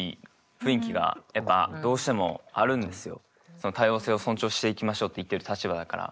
その多様性を尊重していきましょうって言ってる立場だから。